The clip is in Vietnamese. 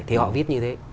thì họ viết như thế